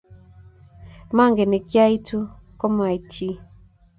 Maanegei nekiaitu komait chi